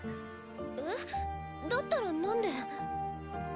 えっだったらなんで？